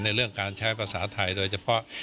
เรื่องการใช้ภาษาไทยโดยเฉพาะ